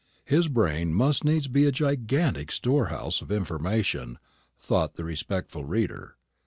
His brain must needs be a gigantic storehouse of information, thought the respectful reader.